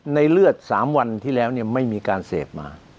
เลือด๓วันที่แล้วไม่มีการเสพมา